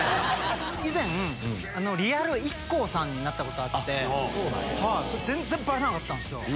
以前リアルＩＫＫＯさんになったことあって全然バレなかったんすよ。